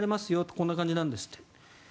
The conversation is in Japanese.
こんな感じなんですって。